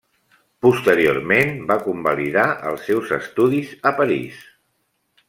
Posteriorment va convalidar els seus estudis a París.